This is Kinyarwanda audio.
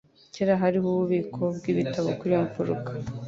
Kera hariho ububiko bwibitabo kuri iyo mfuruka.